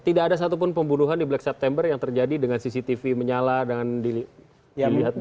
tidak ada satupun pembunuhan di black september yang terjadi dengan cctv menyala dengan dilihat